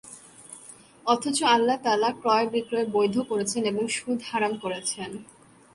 অথচ আল্লাহ তা'আলা ক্রয়-বিক্রয় বৈধ করেছেন এবং সুদ হারাম করেছেন।